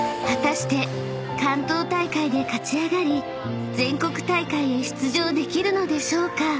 ［果たして関東大会で勝ち上がり全国大会へ出場できるのでしょうか？］